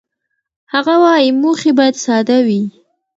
هغه وايي، موخې باید ساده وي.